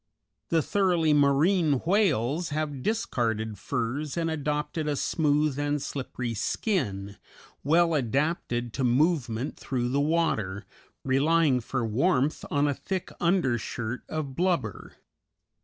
The thoroughly marine whales have discarded furs and adopted a smooth and slippery skin, well adapted to movement through the water, relying for warmth on a thick undershirt of blubber.